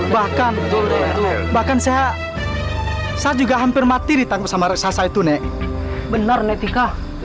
bahkan saya saya juga hampir mati ditangkap sama raksasa itu nek benar netika